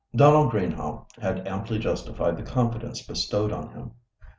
Donald Greenhaugh had amply justified the confidence bestowed on him.